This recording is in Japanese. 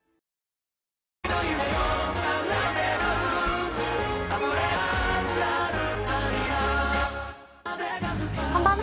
こんばんは。